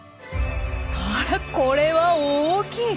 あらこれは大きい！